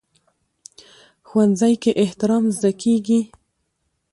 ښوونځی کې احترام زده کېږي